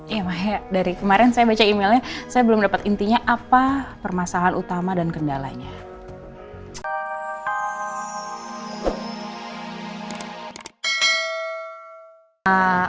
iya makanya dari kemarin saya baca emailnya saya belum dapat intinya apa permasalahan utama dan kendalanya